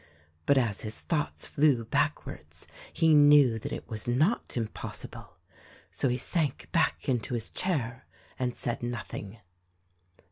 But as his thoughts flew backwards he knew that it was not impossible. So he sank back into his chair and said nothing.